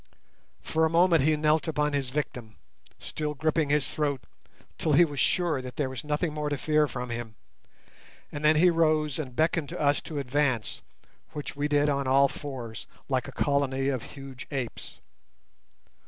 For a moment he knelt upon his victim, still gripping his throat till he was sure that there was nothing more to fear from him, and then he rose and beckoned to us to advance, which we did on all fours, like a colony of huge apes.